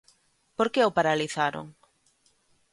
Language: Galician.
¿Por que o paralizaron?